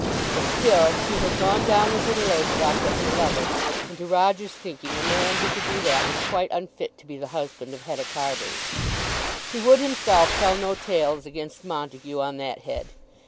But still he had gone down with her to Lowestoft as her lover, and, to Roger's thinking, a man who could do that was quite unfit to be the husband of Hetta Carbury. He would himself tell no tales against Montague on that head.